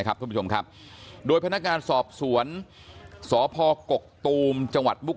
ท่านผู้ชมครับโดยพนักงานสอบสวนสพกกตูมจังหวัดมุก